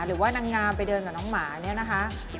หรือว่านางงามไปเดินกับน้องหมาเนี่ยนะคะ